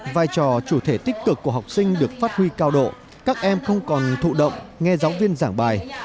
vai trò chủ thể tích cực của học sinh được phát huy cao độ các em không còn thụ động nghe giáo viên giảng bài